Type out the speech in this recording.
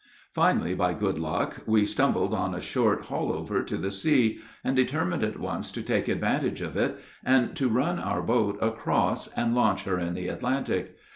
Finally, by good luck, we stumbled on a short "haulover" to the sea, and determined at once to take advantage of it, and to run our boat across and launch her in the Atlantic.